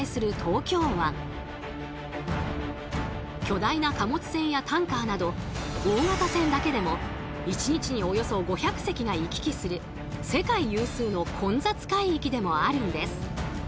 巨大な貨物船やタンカーなど大型船だけでも１日におよそ５００隻が行き来する世界有数の混雑海域でもあるんです。